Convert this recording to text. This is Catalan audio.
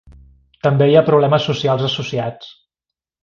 També hi ha problemes socials associats.